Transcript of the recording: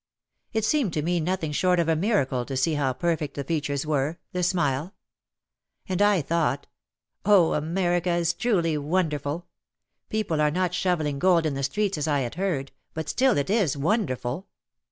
It seemed to me nothing short of a miracle to see how perfect the features were, the smile. And I thought, "Oh, America is truly wonderful! People are not shovelling gold in the streets, as I had heard, but still it is wonderful."